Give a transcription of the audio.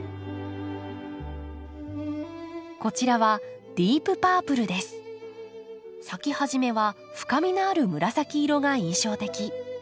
こちらは咲き始めは深みのある紫色が印象的。